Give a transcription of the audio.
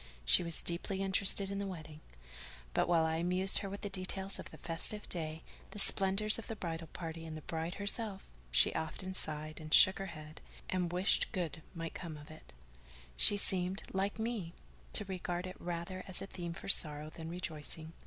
She was deeply interested in the wedding; but while I amused her with the details of the festive day, the splendours of the bridal party and of the bride herself, she often sighed and shook her head, and wished good might come of it; she seemed, like me, to regard it rather as a theme for sorrow than rejoicing.